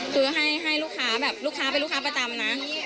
คือให้ลูกค้าแบบลูกค้าเป็นลูกค้าประจำนะ